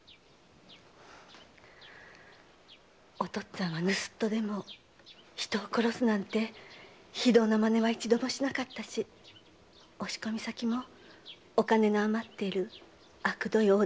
お父っつぁんは盗っ人でも人殺しなんて非道な真似はしなかったし押し込み先もお金の余っているあくどい大店かお武家のお屋敷。